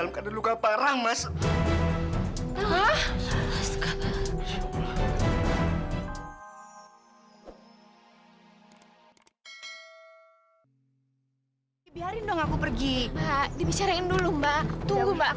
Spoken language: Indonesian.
sampai jumpa di video selanjutnya